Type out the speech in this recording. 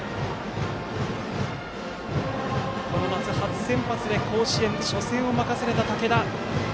この夏、初先発で甲子園初戦を任された竹田。